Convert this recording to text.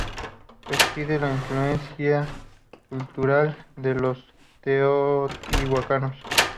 Reciben la influencia cultural de los teotihuacanos.